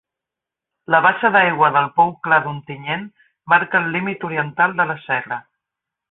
La bassa d'aigua del Pou Clar d'Ontinyent marca el límit oriental de la serra.